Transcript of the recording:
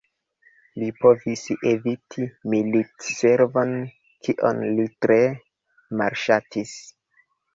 Li povis eviti militservon, kion li tre malŝatis.